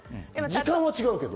時間は違うけど。